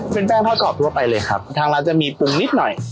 เป็นแป้งทอดกรอบทั่วไปเลยครับทางร้านจะมีปรุงนิดหน่อย